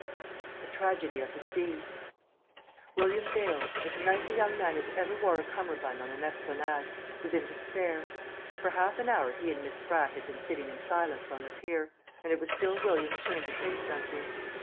A TRAGEDY OF THE SEA William Bales as nice a young man as ever wore a cummerbund on an esplanade was in despair. For half an hour he and Miss Spratt had been sitting in silence on the pier, and it was still William's turn to say something.